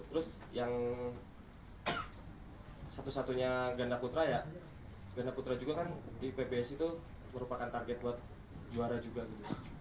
terus yang satu satunya ganda putra ya ganda putra juga kan di pbsi itu merupakan target buat juara juga gitu